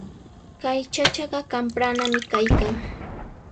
Kay chachaqa qapranami kaykan.